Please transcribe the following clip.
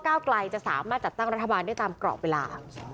ไกลจะสามารถจัดตั้งรัฐบาลได้ตามกรอบเวลา